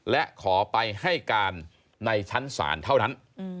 และขอไปให้การในชั้นศาลเท่านั้น